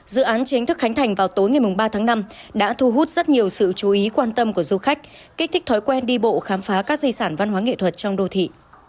dự án chính thức khánh thành vào tối ngày ba tháng năm đã thu hút rất nhiều sự chú ý quan tâm của du khách kích thích thói quen đi bộ khám phá các di sản văn hóa nghệ thuật trong đô thị